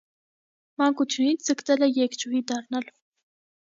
Մանկությունից ձգտել է երգչուհի դառնալ։